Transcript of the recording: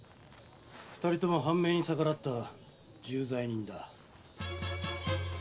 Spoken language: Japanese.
二人とも藩命に逆らった重罪人だ。